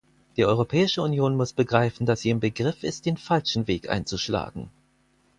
Die Europäische Union muss begreifen, dass sie im Begriff ist, den falschen Weg einzuschlagen.